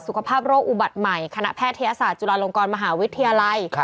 สุขภาพโรคอุบัติใหม่คณะแพทยศาสตร์จุฬาลงกรมหาวิทยาลัย